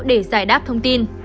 để giải đáp thông tin